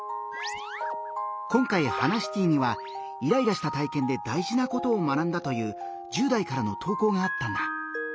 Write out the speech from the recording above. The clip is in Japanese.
今回「ハナシティ」にはイライラした体験で大事なことを学んだという１０代からの投稿があったんだ。